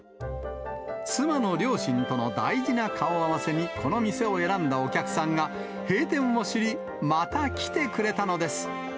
妻の両親との大事な顔合わせにこの店を選んだお客さんが、閉店を知り、また来てくれたのです。